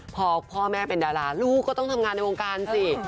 พอพ่อแม่เป็นดาราลูกก็ต้องทำงานในวงการสิ